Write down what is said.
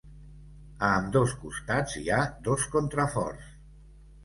A ambdós costats hi ha dos contraforts.